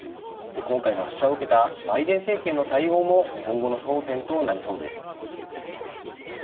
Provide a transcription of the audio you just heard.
今回の発射を受けたバイデン政権の対応も今後の焦点となりそうです。